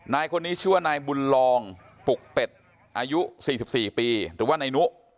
นายคนนี้ชื่อว่านายบุญลองปุกเป็ดอายุ๔๔ปีหรือว่านายนุ